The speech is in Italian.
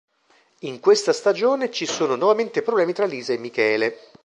In questa stagione, ci sono nuovamente problemi fra Lisa e Michele.